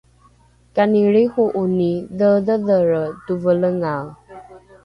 kani lriiho’oni dheedhedhere tovelengae?